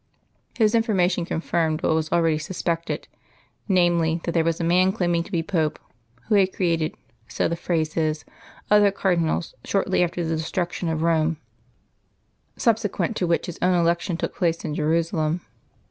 His information confirmed what was already suspected namely, that there was a man claiming to be Pope, who had created (so the phrase is) other cardinals, shortly after the destruction of Rome, subsequent to which his own election took place in Jerusalem.